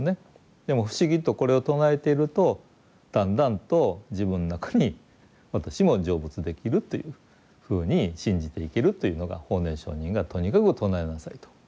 でも不思議とこれを唱えているとだんだんと自分の中に私も成仏できるというふうに信じて生きるというのが法然上人がとにかく唱えなさいと。